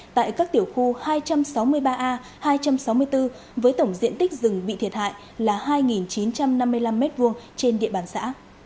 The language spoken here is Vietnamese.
tại các tiểu khu hai trăm sáu mươi ba a hai trăm sáu mươi bốn với tổng diện tích rừng bị thiệt hại là hai chín trăm năm mươi năm m hai trên địa bàn xã